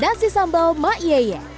nasi sambal maieye